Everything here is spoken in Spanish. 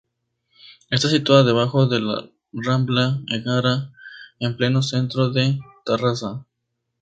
Está situada debajo de la rambla Egara en pleno centro de Tarrasa.